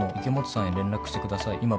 池本さんへ連絡してください」